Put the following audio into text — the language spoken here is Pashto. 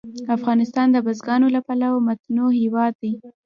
افغانستان د بزګانو له پلوه متنوع هېواد دی.